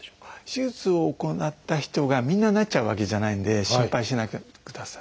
手術を行った人がみんななっちゃうわけじゃないんで心配しないでください。